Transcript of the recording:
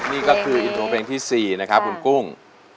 นี่ก็คืออินโทรเพลงที่๔นะครับคุณกุ้ง